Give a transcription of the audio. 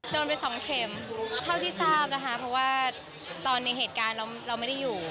โดนไปสองเข็มเท่าที่ทราบนะคะเพราะว่าตอนในเหตุการณ์เราไม่ได้อยู่